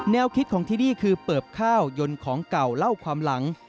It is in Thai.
คิดของที่นี่คือเปิบข้าวยนต์ของเก่าเล่าความหลัง